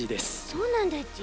そうなんだち？